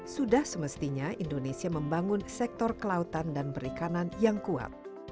sudah semestinya indonesia membangun sektor kelautan dan perikanan yang kuat